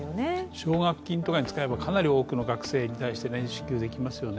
奨学金とかに使えば、かなり多くの学生に対して支給できますよね